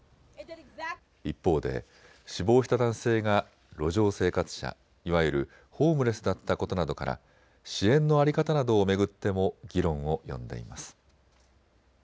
一方で、死亡した男性が路上生活者、いわゆるホームレスだったことなどから支援の在り方などを巡っても議論を呼んでいます。